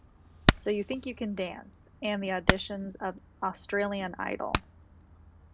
"So You Think You Can Dance" and the auditions of "Australian Idol".